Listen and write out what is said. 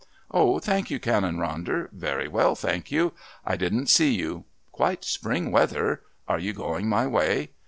"Oh, thank you, Canon Ronder very well, thank you. I didn't see you. Quite spring weather. Are you going my way?"